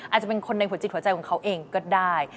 อาจจะเป็นคนในหัวจิตหัวใจของเขาเองก็ได้